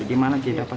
di mana didapat